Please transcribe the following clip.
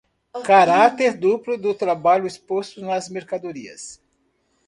Carácter duplo do trabalho exposto nas mercadorias